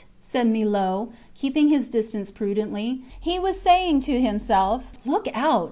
said Millot, keeping his distance prudently. He was saying to himself: Look out!